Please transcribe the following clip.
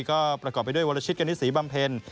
ก็ประกอบไปด้วยวรชิตกณิศรีบำเพ็ญ